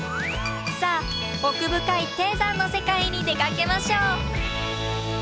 さあ奥深い低山の世界に出かけましょう。